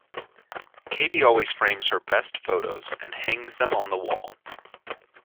Katie always frames her best photos, and hangs them on the wall.